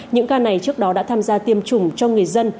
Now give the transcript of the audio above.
những ca này trước đó đã tham gia tiêm chủng cho người dân